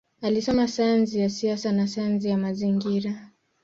Alisoma sayansi ya siasa na sayansi ya mazingira.